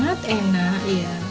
waktu hangat enak ya